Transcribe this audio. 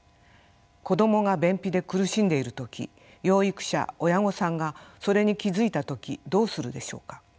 子どもが便秘で苦しんでいる時養育者親御さんがそれに気付いた時どうするでしょうか。